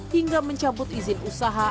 hingga mencabut izin usaha